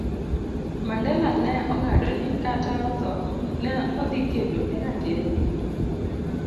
Mandela ne ong'ado ni, kata otho, ne odhi kedo ne ratiro gi